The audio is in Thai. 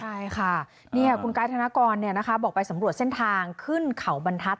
ใช่ค่ะคุณกายธนกรบอกไปสำรวจเส้นทางขึ้นเขาบรรทัศน